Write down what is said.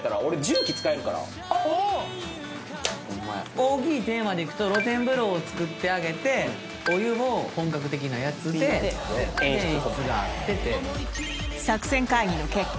大きいテーマでいくと露天風呂を作ってあげてお湯も本格的なやつで演出があって作戦会議の結果